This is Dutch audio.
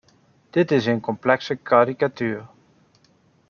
Dit is een complete karikatuur.